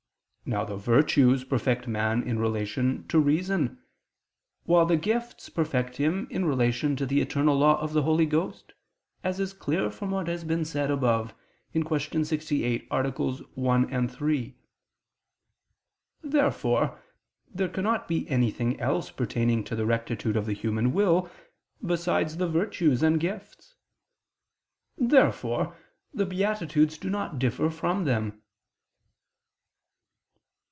Now the virtues perfect man in relation to reason; while the gifts perfect him in relation to the eternal law of the Holy Ghost, as is clear from what has been said (Q. 68, AA. 1, 3, seqq.). Therefore there cannot be anything else pertaining to the rectitude of the human will, besides the virtues and gifts. Therefore the beatitudes do not differ from them.